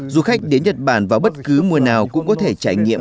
du khách đến nhật bản vào bất cứ mùa nào cũng có thể trải nghiệm